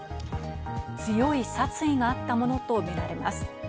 強い殺意があったものとみられます。